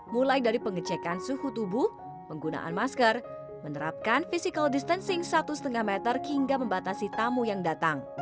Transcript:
mulai dari pengecekan suhu tubuh penggunaan masker menerapkan physical distancing satu lima meter hingga membatasi tamu yang datang